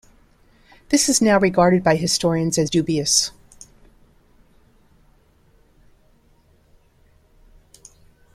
This is now regarded by historians as dubious.